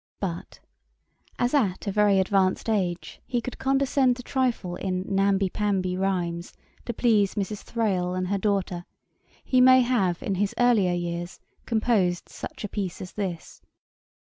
But as at a very advanced age he could condescend to trifle in namby pamby rhymes, to please Mrs. Thrale and her daughter, he may have, in his earlier years, composed such a piece as this.